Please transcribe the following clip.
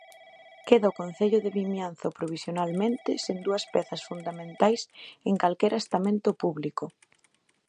Queda o concello de Vimianzo provisionalmente sen dúas pezas fundamentais en calquera estamento público.